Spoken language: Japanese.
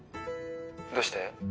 どうして？